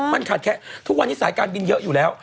มันขาดแค่ทุกวันนี้สายการบินเยอะอยู่แล้ว